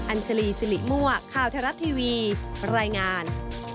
อัญชลีสิริมัวค่าวเทราะทีวีรายงาน